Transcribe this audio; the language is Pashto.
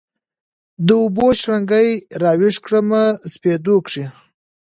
د اوبو شرنګي راویښ کړمه سپېدو کښي